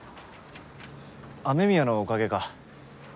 雨宮のおかげか？